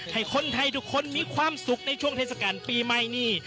ให้คนไทยทุกคนมีความสุขในช่วงเทศกาลปีใหม่นี้